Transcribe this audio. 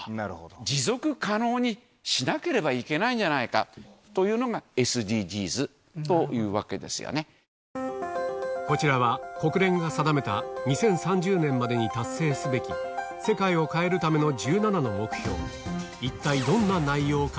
持続可能にしなければいけないんじゃないかというのが、こちらは、国連が定めた２０３０年までに達成すべき、世界を変えるための１７の目標。